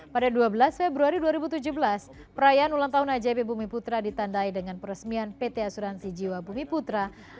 pada dua belas februari dua ribu tujuh belas perayaan ulang tahun ajb bumi putra ditandai dengan peresmian pt asuransi jiwa bumi putra